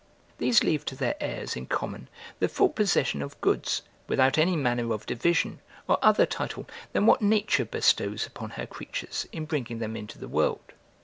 These leave to their heirs in common the full possession of goods, without any manner of division, or other title than what nature bestows upon her creatures, in bringing them into the world.